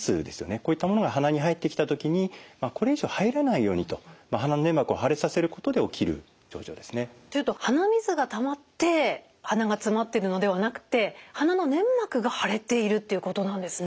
こういったものが鼻に入ってきた時にこれ以上入らないようにと鼻の粘膜を腫れさせることで起きる症状ですね。というと鼻水がたまって鼻がつまってるのではなくて鼻の粘膜が腫れているっていうことなんですね。